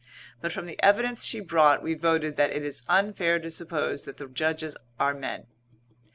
But from the evidence she brought we voted that it is unfair to suppose that the Judges are men.